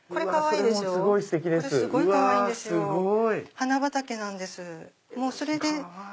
花畑なんです。